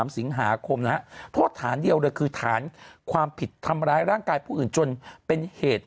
สิงหาคมนะฮะโทษฐานเดียวเลยคือฐานความผิดทำร้ายร่างกายผู้อื่นจนเป็นเหตุ